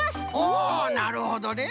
おなるほどね！